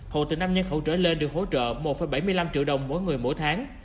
hộ từ năm nhân khẩu trở lên được hỗ trợ một bảy mươi năm triệu đồng mỗi người mỗi tháng